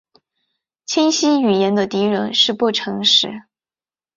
清晰语言的敌人是不诚实。